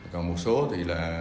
còn một số thì là